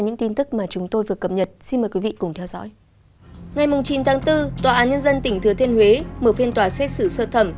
ngay chín tháng bốn tòa án nhân dân tỉnh thừa thiên huế mở phiên tòa xét xử sơ thẩm